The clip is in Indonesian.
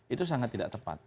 itu sangat tidak benar